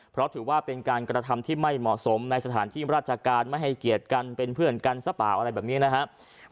เพราะถือว่าเป็นการกระทำที่ไม่เหมาะสมในสถานที่ราชการไม่ให้เกียรติกันเป็นเพื่อนกันซะเปล่าอะไรแบบนี้นะครับ